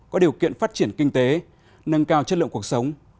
có điều kiện phát triển kinh tế nâng cao chất lượng cuộc sống